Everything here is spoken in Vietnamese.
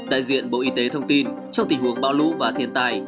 đại diện bộ y tế thông tin trong tình huống bão lũ và thiên tai